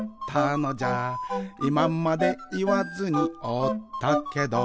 「いままでいわずにおったけど」